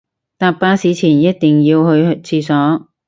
搭巴士前一定要去廁所